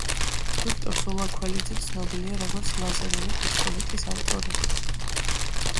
ვიქტორ სულაქველიძე ცნობილია, როგორც ლაზერული პისტოლეტის ავტორი.